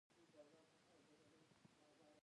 آزاد تجارت مهم دی ځکه چې عاید لوړوي کروندګرو.